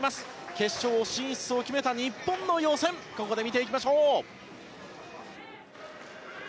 決勝進出を決めた日本の予選をここで見ていきましょう。